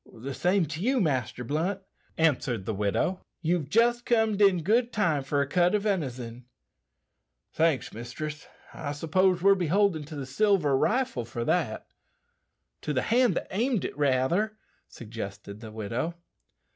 "The same to you, Master Blunt," answered the widow; "you've jist comed in good time for a cut o' venison." "Thanks, mistress; I s'pose we're beholden to the silver rifle for that." "To the hand that aimed it, rather," suggested the widow.